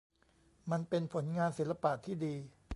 มันเป็นผลงานศิลปะที่ดี